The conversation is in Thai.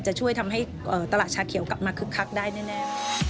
จะช่วยทำให้ตลาดชาเขียวกลับมาคึกคักได้แน่